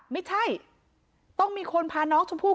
ไม่ใช่ต้องมีคนพาน้องชมพู่